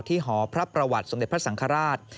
หอพระประวัติสมเด็จพระสังฆราช